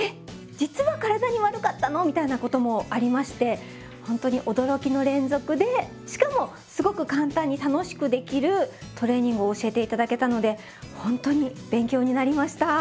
実は体に悪かったの？みたいなこともありましてほんとに驚きの連続でしかもすごく簡単に楽しくできるトレーニングを教えて頂けたのでほんとに勉強になりました。